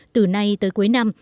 từ nay tới cuối năm